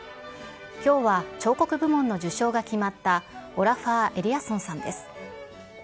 きょうは、彫刻部門の受賞が決まったオラファー・エリアソンさんです。